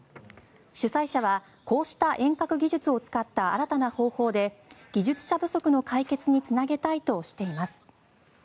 主催者はこうした遠隔技術を使った新たな方法で技術者不足の解決につなげたいとしています。